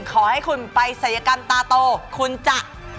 ขอให้คุณไปศัยกรรมตาโตคุณจะ